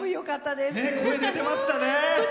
声、出てましたね。